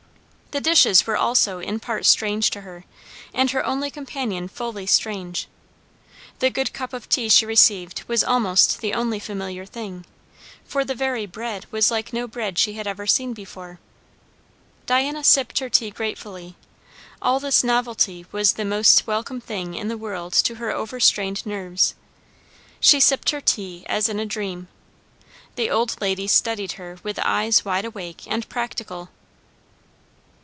The dishes were also in part strange to her, and her only companion fully strange. The good cup of tea she received was almost the only familiar thing, for the very bread was like no bread she had ever seen before. Diana sipped her tea gratefully; all this novelty was the most welcome thing in the world to her overstrained nerves. She sipped her tea as in a dream; the old lady studied her with eyes wide awake and practical.